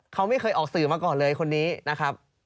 เขาไม่เคยออกสื่อมาก่อนเลยคนนี้นะครับ